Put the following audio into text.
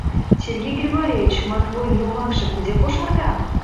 — Сергей Григорьевич, Матвуйын йомакше кузе кошарга?